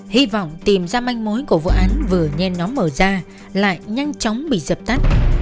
hy vọng tìm ra manh mối của vụ án vừa nhen nó mở ra lại nhanh chóng bị dập tắt